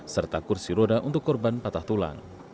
serta kursi roda untuk korban patah tulang